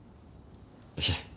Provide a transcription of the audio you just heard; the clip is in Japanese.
いえ。